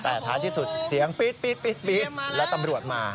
แต่ท้ายที่สุดเสียงปี๊ดและตำรวจมา